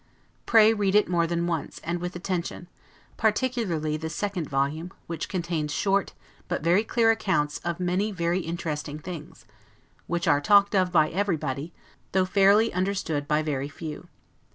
Pray read it more than once, and with attention, particularly the second volume, which contains short, but very clear accounts of many very interesting things, which are talked of by everybody, though fairly. understood by very few.